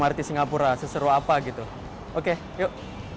mrt singapura seseru apa gitu oke yuk